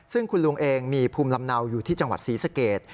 ซึ่งคุณลุงเองมีภูมิลำเนาอยู่ที่จังหวัดศรีสเกต